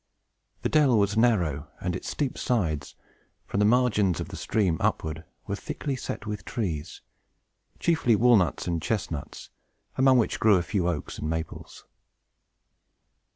The dell was narrow, and its steep sides, from the margin of the stream upward, were thickly set with trees, chiefly walnuts and chestnuts, among which grew a few oaks and maples.